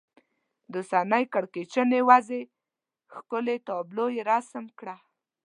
د اوسنۍ کړکېچنې وضعې ښکلې تابلو یې رسم کړه.